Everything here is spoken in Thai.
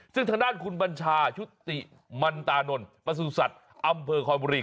ซึ่งทางด้านคุณบัญชาชุติมันตานนท์ประสุทธิ์อำเภอคอนบุรี